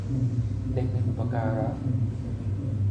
เด็กในอุปการะ